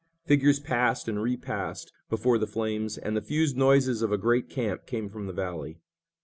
Figures passed and repassed before the flames, and the fused noises of a great camp came from the valley.